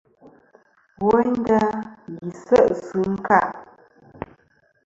Woynda, yi se' sɨ ɨnka.